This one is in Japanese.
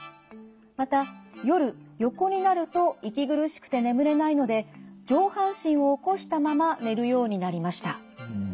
また夜横になると息苦しくて眠れないので上半身を起こしたまま寝るようになりました。